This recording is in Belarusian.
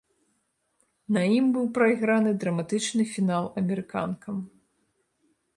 На ім быў прайграны драматычны фінал амерыканкам.